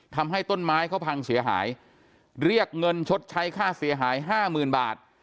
ทำให้ต้นไม้เขาพังเสียหายเรียกเงินชดใช้ค่าเสียหายห้าหมื่นบาท